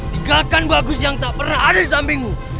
tigakan bagus yang tak pernah ada di sampingmu